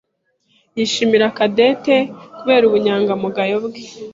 yishimira Cadette kubera ubunyangamugayo bwe.